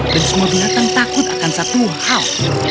dan semua binatang takut akan satu hal